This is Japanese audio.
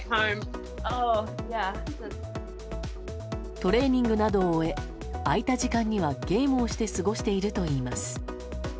トレーニングなどを終え空いた時間にはゲームをして過ごしているといいます。